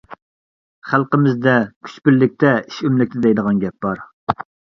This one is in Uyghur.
خەلقىمىزدە «كۈچ بىرلىكتە، ئىش ئۆملۈكتە» دەيدىغان گەپ بار.